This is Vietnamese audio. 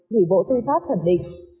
vị bộ tư pháp khẩn định